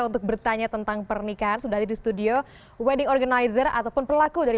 untuk bertanya tentang pernikahan sudah ada di studio wedding organizer ataupun pelaku dari